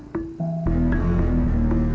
saya permisi dulu